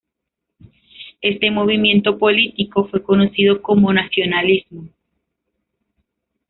Este movimiento político fue conocido como Nacionalismo.